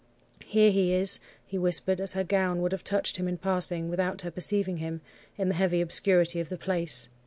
"'Here he is,' he whispered as her gown would have touched him in passing, without her perceiving him, in the heavy obscurity of the place.